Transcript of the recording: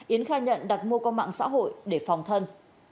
yến khai nhận đặt mua qua mạng xã hội để phòng thân